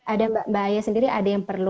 ada mbak aya sendiri ada yang perlu